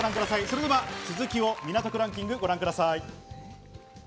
それでは続きの港区ランキング、ご覧ください。